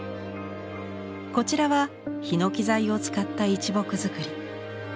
こちらはヒノキ材を使った一木造り。